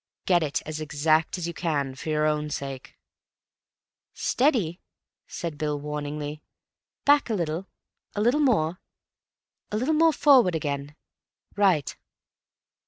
Get it as exact as you can—for your own sake." "Steady!" said Bill warningly. "Back a little.... a little more .... a little more forward again.... Right."